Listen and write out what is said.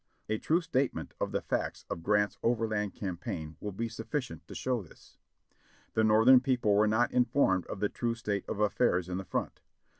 A true statement of the facts of Grant's overland campaign will be sufificient to show this. The Northern people were not informed of the true state of affairs in the front.